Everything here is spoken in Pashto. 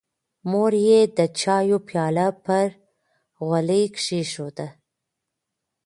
مور یې د چایو پیاله پر غولي کېښوده.